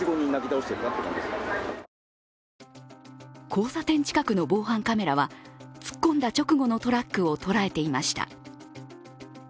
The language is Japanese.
交差点近くの防犯カメラは、突っ込んだ直後のトラックを捉えていました。